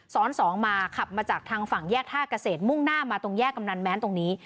สองมาขับมาจากทางฝั่งแยกท่าเกษตรมุ่งหน้ามาตรงแยกกำนันแม้นตรงนี้